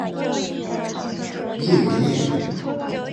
瑞维涅。